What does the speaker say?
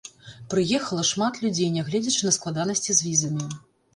Прыехала шмат людзей, нягледзячы на складанасці з візамі.